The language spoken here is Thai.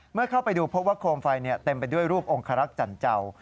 เมื่อเข้าไปดูพบว่าโคมไฟเต็มไปด้วยรูปองคารักษ์จันเจ้า